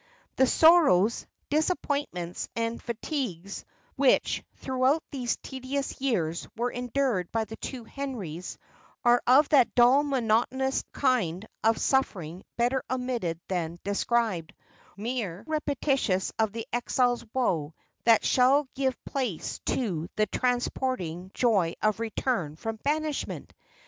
The sorrows, disappointments, and fatigues, which, throughout these tedious years, were endured by the two Henrys, are of that dull monotonous kind of suffering better omitted than described mere repetitions of the exile's woe, that shall give place to the transporting joy of return from banishment!